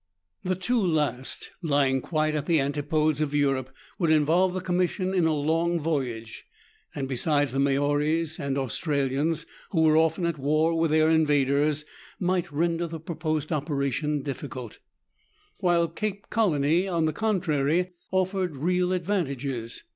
The two last, lying quite at the antipodes of Europe, would involve the Commission in a long voyage, and, besides, the Maoris and Australians, who were often at war with their invaders, might render the proposed operation difficult ; while Cape Colony, on the contrary, offered real advantages.